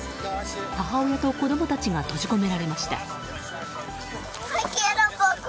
母親と子供たちが閉じ込められました。